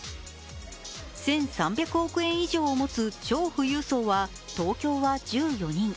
１３００億円以上を持つ超富裕層は東京は１４人。